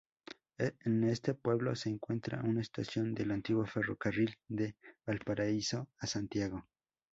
En este pueblo se encuentra una estación del antiguo ferrocarril de Valparaíso a Santiago.